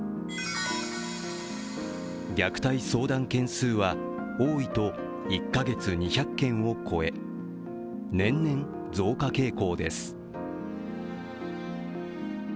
虐待相談件数は多いと１か月２００件を超え年々増加傾向です。